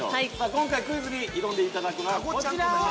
今回クイズに挑んでいただくのは、こちら。